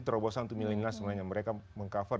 terobosan untuk milenial sebenarnya mereka meng cover